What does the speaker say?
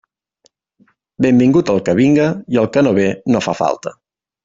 Benvingut el que vinga, i el que no ve no fa falta.